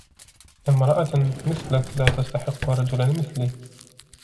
امرأةً مثلك لا تستحق رجلاً مثلي.